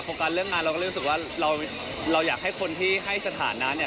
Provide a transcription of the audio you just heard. ผมอยากโฟกัสเรื่องงานเราก็เรียกว่าเราอยากให้คนที่ให้สถานนะเนี่ย